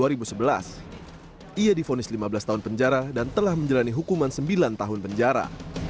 ia difonis lima belas tahun penjara dan telah menjalani hukuman sembilan tahun penjara